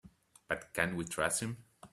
But can we trust him?